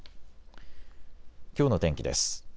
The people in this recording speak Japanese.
きょうの天気です。